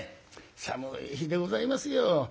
寒い日でございますよ。